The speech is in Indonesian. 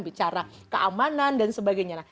bicara keamanan dan sebagainya